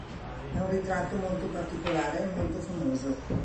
È un ritratto molto particolare e molto famoso.